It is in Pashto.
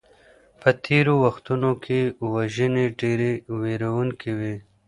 په تيرو وختونو کي وژنې ډېرې ويرونکي وې.